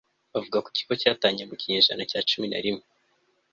bavuga ko ikigo cyatangiye mu kinyejana cya cumin a rimwe